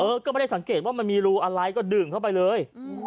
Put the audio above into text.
ก็ไม่ได้สังเกตว่ามันมีรูอะไรก็ดื่มเข้าไปเลย